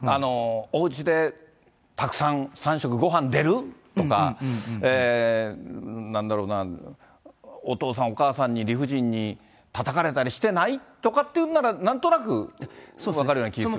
おうちでたくさん３食ごはん出る？とか、なんだろうな、お父さん、お母さんに、理不尽にたたかれたりしてない？とかっていうんなら、なんとなく分かるような気がするけど。